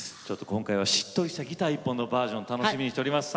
今回はしっとりしたギター１本のバージョン楽しみにしております。